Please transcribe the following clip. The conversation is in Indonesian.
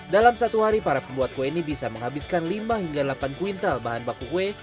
dalam satu hari para pembuat kue ini bisa menghabiskan lima hingga delapan kuintal bahan baku kue